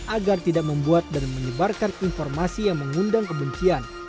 agar tidak membuat dan menyebarkan informasi yang mengundang kebencian